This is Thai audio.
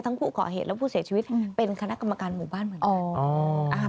ผู้ก่อเหตุและผู้เสียชีวิตเป็นคณะกรรมการหมู่บ้านเหมือนกัน